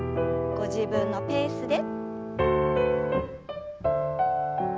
ご自分のペースで。